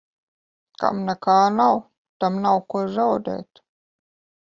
Kam nekā nav, tam nav ko zaudēt.